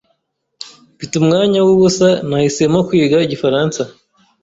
Mfite umwanya wubusa, nahisemo kwiga igifaransa.